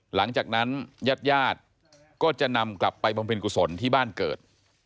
หลังจากนั้นญาติญาติก็จะนำกลับไปบำเพ็ญกุศลที่บ้านเกิด